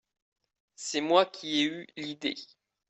C’est moi qui ai eu l’idée…